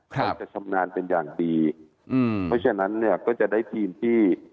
เขาจะชำนาญเป็นอย่างดีอืมเพราะฉะนั้นเนี่ยก็จะได้ทีมที่